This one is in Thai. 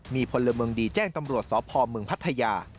มีคนเรือเมืองดีแจ้งตำรวจสพมพัทยา